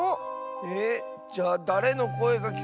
えじゃあだれのこえがきこえたの？